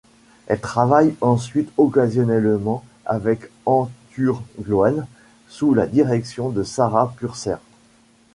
Elle travaille ensuite occasionnellement avec An Túr Gloine sous la direction de Sarah Purser.